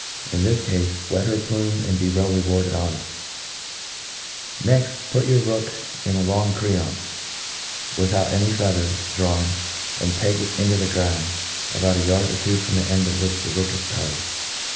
. In this cafe^ let her plume, and be well rewarded on iu Next, put your rook in a long treancc, with* . out any feathers drawn, and peg it into the ground, about a yard or two from the en4 to which the rook is tied.